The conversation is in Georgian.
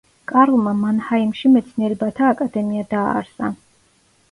კარლმა მანჰაიმში მეცნიერებათა აკადემია დააარსა.